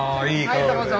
はいどうぞ。